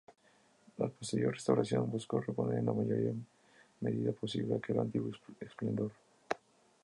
La posterior restauración buscó reponer en la mayor medida posible aquel antiguo esplendor.